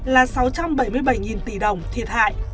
là sáu trăm bảy mươi bảy tỷ đồng thiệt hại